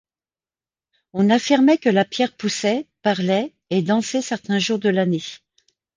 On affirmait que la pierre poussait, parlait et dansait certains jours de l'année.